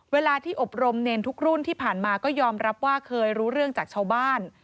เวลาที่อบรมเนรทุกรุ่นที่ผ่านมาก็ยอมรับว่าเคยรู้เรื่องจากชาวบ้าน